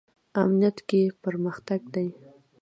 امنیت کې پرمختګ دی